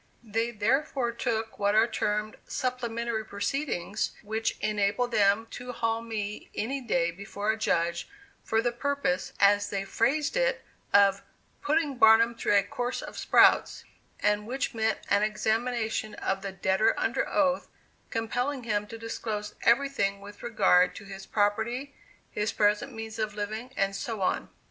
They therefore took what are termed "supplementary proceedings," which enabled them to haul me any day before a judge for the purpose, as they phrased it, of "putting Barnum through a course of sprouts," and which meant an examination of the debtor under oath, compelling him to disclose everything with regard to his property, his present means of living, and so on.